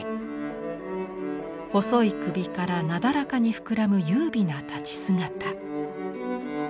細い頸からなだらかに膨らむ優美な立ち姿。